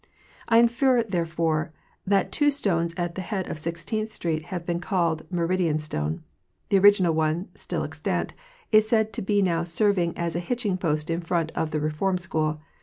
I infer, therefore, that two stones at the head of Sixteenth street have been called Meridian stone. The original one, stili extant, is said to be now serving as a hitching post in front of the Reform school.